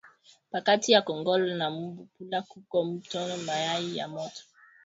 Pakati ya kongolo na mbulula kuko mutoni ya mayi ya moto